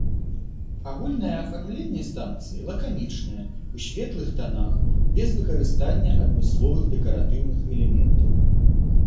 Агульнае афармленне станцыі лаканічнае, у светлых танах, без выкарыстання адмысловых дэкаратыўных элементаў.